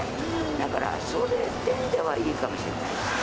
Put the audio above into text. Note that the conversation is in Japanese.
だから、そういう点ではいいかもしれないですね。